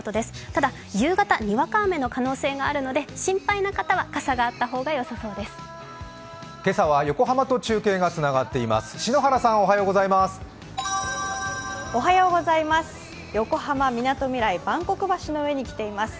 ただ、夕方、にわか雨の可能性があるので心配な方は、傘があった方がよさそうです。